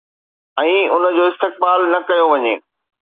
۽ ان جو استقبال نه ڪيو وڃي.